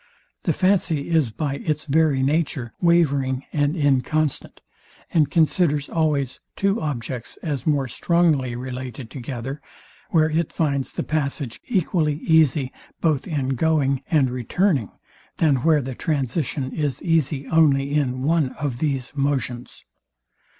The fancy is by its very nature wavering and inconstant; and considers always two objects as more strongly related together, where it finds the passage equally easy both in going and returning, than where the transition is easy only in one of these motions.